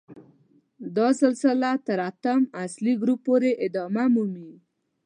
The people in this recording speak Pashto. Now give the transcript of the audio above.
دا سلسله تر اتم اصلي ګروپ پورې ادامه مومي.